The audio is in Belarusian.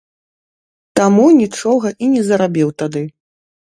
Таму нічога і не зарабіў тады.